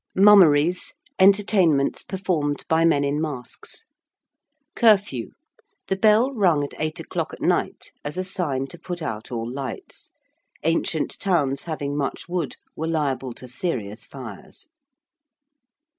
~mummeries~: entertainments performed by men in masks. ~Curfew~: the bell rung at eight o'clock at night as a sign to put out all lights. Ancient towns having much wood were liable to serious fires.